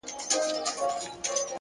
هره تېروتنه د درک نوې دروازه ده.